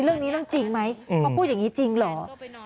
เรื่องนี้เรื่องจริงไหมเขาพูดอย่างนี้จริงเหรอ